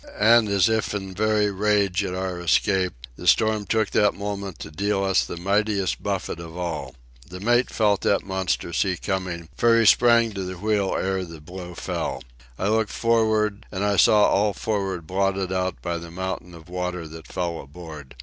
And as if in very rage at our escape, the storm took that moment to deal us the mightiest buffet of all. The mate felt that monster sea coming, for he sprang to the wheel ere the blow fell. I looked for'ard, and I saw all for'ard blotted out by the mountain of water that fell aboard.